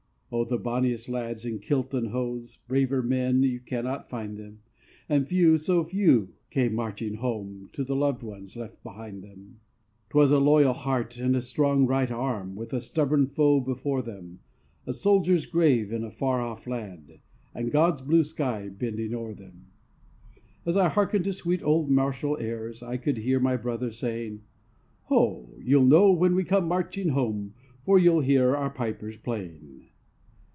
Oh, the bonniest lads in kilt and hose Braver men, you cannot find them And few, so few, came marching home To the loved ones left behind them. 'Twas a loyal heart, and a strong right arm, With a stubborn foe before them; A soldier's grave in a far off land, And God's blue sky bending o'er them. As I hearkened to sweet old martial airs I could hear my brother saying: "Ho! you'll know when we come marching home, For you'll hear our pipers playing."